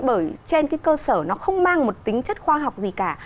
bởi trên cái cơ sở nó không mang một tính chất khoa học gì cả